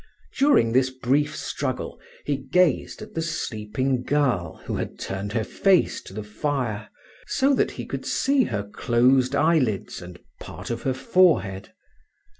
During this brief struggle he gazed at the sleeping girl who had turned her face to the fire, so that he could see her closed eyelids and part of her forehead.